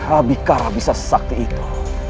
abikara bisa sesakti itu